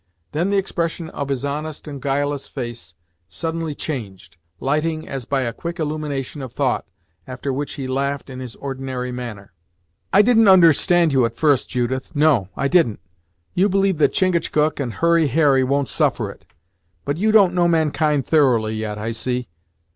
Then the expression of his honest and guileless face suddenly changed, lighting as by a quick illumination of thought, after which he laughed in his ordinary manner. "I didn't understand you, at first, Judith; no, I didn't! You believe that Chingachgook and Hurry Harry won't suffer it; but you don't know mankind thoroughly yet, I see.